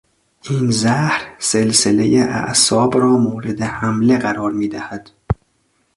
این زهر سلسلهی اعصاب را مورد حمله قرار میدهد.